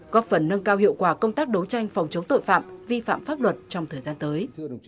góp phần nâng cao hiệu quả công tác đấu tranh phòng chống tội phạm vi phạm pháp luật trong thời gian tới